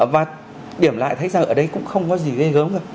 và điểm lại thấy rằng ở đây cũng không có gì ghê gớm cả